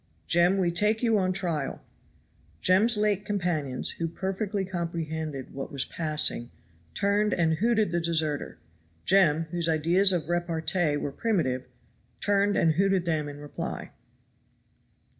"Jem, we take you on trial." Jem's late companions, who perfectly comprehended what was passing, turned and hooted the deserter; Jem, whose ideas of repartee were primitive, turned and hooted them in reply.